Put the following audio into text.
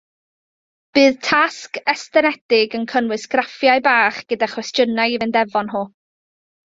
Bydd tasg estynedig yn cynnwys graffiau bach gyda chwestiynau i fynd efo nhw